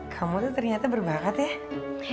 kamu tuh ternyata berbakat ya